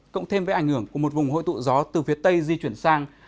cộng thêm với ảnh hưởng của một vùng hội tụ gió từ phía tây di chuyển sang